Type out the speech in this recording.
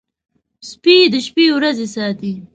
سپي د شپې ورځي ساتي.